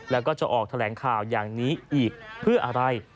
แล้วก็จะออกแถลงข่าวอย่างนี้อีกเพื่ออะไร